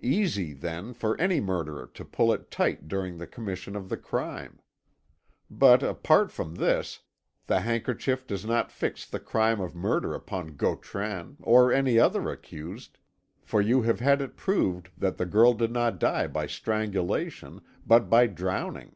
Easy, then, for any murderer to pull it tight during the commission of the crime. But apart from this, the handkerchief does not fix the crime of murder upon Gautran or any other accused, for you have had it proved that the girl did not die by strangulation, but by drowning.